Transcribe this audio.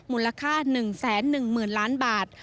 มูลค่า๑๑๐๐๐ล้านบาท